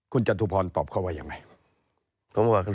คุณจันทุพรตอบเข้าไปยังไง